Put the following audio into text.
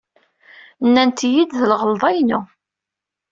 Nnant-iyi-d d lɣelḍa-inu.